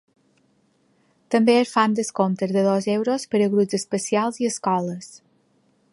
També es fan descomptes de dos euros per a grups especials i escoles.